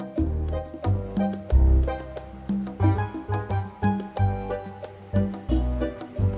siapa yang harus kita abisin